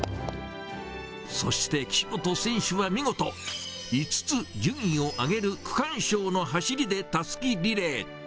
そして、岸本選手は見事、５つ順位を上げる区間賞の走りでたすきリレー。